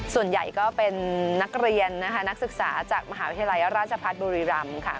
ส่วนใหญ่ก็เป็นนักเรียนนะคะนักศึกษาจากมหาวิทยาลัยราชพัฒน์บุรีรำค่ะ